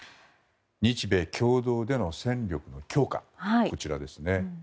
日米共同での戦力の強化ですね。